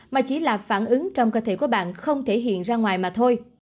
mà chỉ là phản ứng trong cơ thể của bạn không thể hiện ra ngoài mà thôi